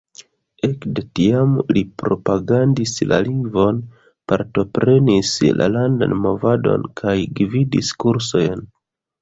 Ekde tiam li propagandis la lingvon, partoprenis la landan movadon kaj gvidis kursojn.